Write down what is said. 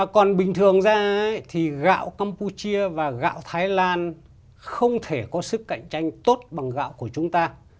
còn bình thường ra thì gạo campuchia và gạo thái lan không thể có sức cạnh tranh tốt bằng gạo của chúng ta